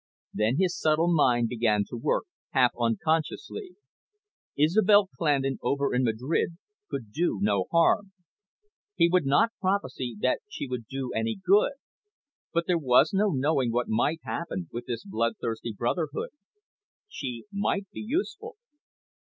Then his subtle mind began to work, half unconsciously. Isobel Clandon over in Madrid could do no harm. He would not prophesy that she would do any good. But there was no knowing what might happen with this bloodthirsty brotherhood. She might be useful.